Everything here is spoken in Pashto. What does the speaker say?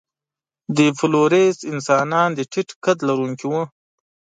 د فلورېس انسانان د ټیټ قد لرونکي وو.